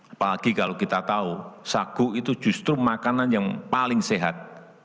apalagi kalau kita tahu sagu itu justru makanan yang paling sehat